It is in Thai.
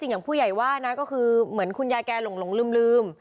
อย่างผู้ใหญ่ว่านะก็คือเหมือนคุณยายแกหลงลืม